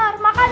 lagi yang bener